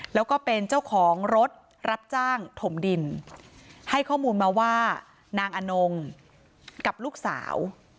แล้วก็เป็นเจ้าของรถรับจ้างถมดินให้ข้อมูลมาว่านางอนงกับลูกสาว